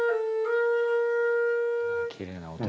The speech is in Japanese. きれいな音。